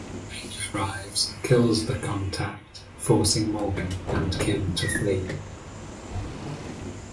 Chang arrives, kills the contact, forcing Morgan and Kim to flee.